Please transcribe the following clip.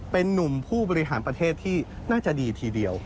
เป็นนุ่มผู้บริหารประเทศที่น่าจะดีทีเดียว